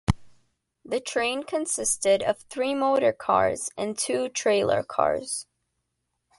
The train consisted of three motor cars and two trailer cars.